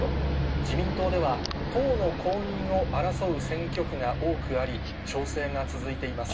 自民党では党の公認を争う選挙区が多くあり、調整が続いています。